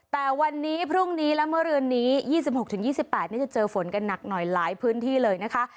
แต่วันนี้พรุ่งนี้และเมื่อเรือนนี้๒๖๒๘จะเจอฝนกันหนักหน่อยหลายพื้นที่เลยนะคะ